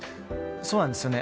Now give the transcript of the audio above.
そうなんですよね。